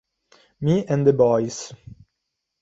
Me and the Boys